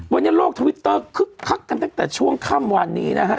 วันนี้โลกทวิตเตอร์คึกคักกันตั้งแต่ช่วงค่ำวันนี้นะฮะ